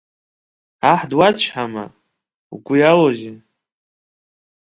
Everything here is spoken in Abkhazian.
Аҳ дуацәҳама, угәы иалоузеи?